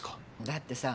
だってさ